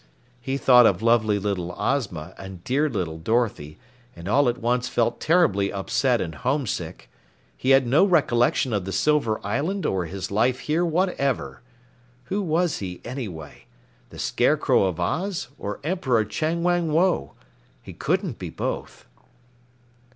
He thought of lovely little Ozma and dear little Dorothy, and all at once felt terribly upset and homesick. He had no recollection of the Silver Island or his life here whatever. Who was he, anyway the Scarecrow of Oz or Emperor Chang Wang Woe? He couldn't be both.